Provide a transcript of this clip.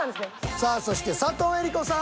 さあそして佐藤江梨子さん